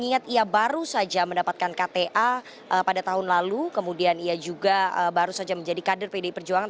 ya pada tahun lalu kemudian ia juga baru saja menjadi kader pdi perjuangan